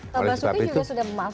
pak basuki juga sudah maaf